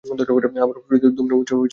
আমার ফুসফুস দুমড়েমুচড়ে গিয়েছিল।